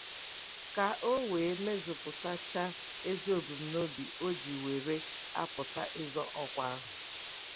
ka o wee mezùpụtachaa ezi ebumnobi o ji were apụta ịzọ ọkwa ahụ.